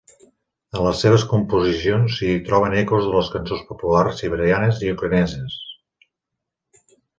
En les seves composicions s'hi troben ecos de les cançons populars siberianes i ucraïneses.